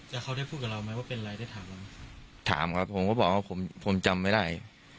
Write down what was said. แล้วเขาได้พูดกับเราไหมว่าเป็นไรได้ถามเราไหมถามครับผมก็บอกว่าผมผมจำไม่ได้